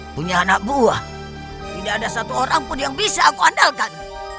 punya anak buah tidak ada satu orang pun yang bisa aku andalkan